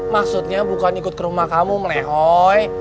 maksudnya bukan ikut ke rumah kamu melehoy